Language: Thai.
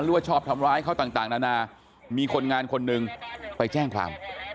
ว่าชอบทำร้ายเขาต่างนานามีคนงานคนหนึ่งไปแจ้งความ